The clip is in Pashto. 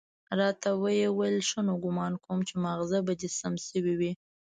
راته ويې ويل ښه نو ګومان کوم چې ماغزه به دې سم شوي وي.